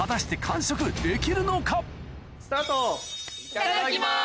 いただきます！